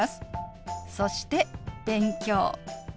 そして「勉強」。